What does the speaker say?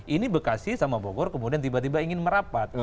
ini bekasi sama bogor kemudian tiba tiba ingin merapat